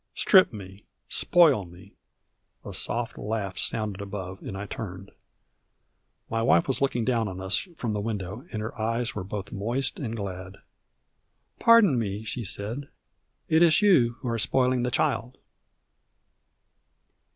Strip me, spoil me " A soft laugh sounded above, and I turned. My wife was looking down on us from the window, and her eyes were both moist and glad. "Pardon me," she said, "it is you who are spoiling the child."